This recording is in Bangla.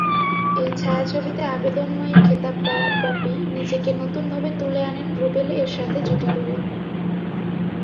এই ছায়াছবিতে আবেদনময়ী খেতাব পাওয়া পপি নিজেকে নতুন ভাবে তুলে আনেন রুবেল এর সাথে জুটি গড়ে।